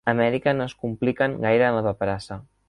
Amèrica no ens compliquem gaire en la paperassa.